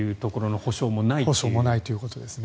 保証もないということですね。